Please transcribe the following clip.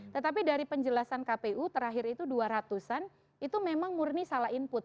tetapi dari penjelasan kpu terakhir itu dua ratus an itu memang murni salah input